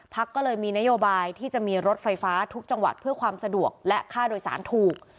ก็เลยมีนโยบายที่จะมีรถไฟฟ้าทุกจังหวัดเพื่อความสะดวกและค่าโดยสารถูก